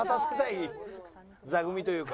座組というか。